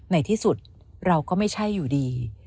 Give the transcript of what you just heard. ในที่สุดเราก็ไม่ใช่อยู่ดี